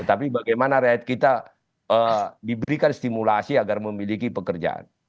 tapi bagaimana rakyat kita diberikan stimulasi agar memiliki pekerjaan